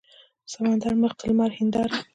د سمندر مخ د لمر هینداره